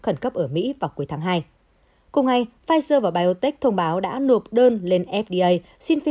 khẩn cấp ở mỹ vào cuối tháng hai cùng ngày pfizer và biotech thông báo đã nộp đơn lên fda xin phê